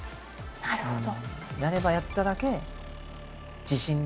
なるほど。